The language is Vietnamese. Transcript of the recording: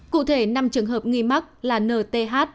cụ thể năm trường hợp nghi mắc là nth